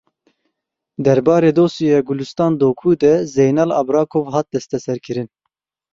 Derbarê dosyaya Gulîstan Doku de Zeynal Abrakov hat desteserkirin.